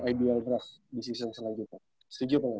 ibl draft di season selanjutnya